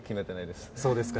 そうですか。